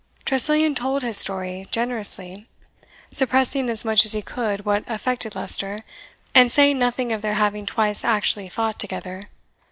Tressilian told his story generously, suppressing as much as he could what affected Leicester, and saying nothing of their having twice actually fought together.